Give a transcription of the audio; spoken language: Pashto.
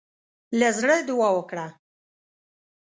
له زړۀ دعا وکړه.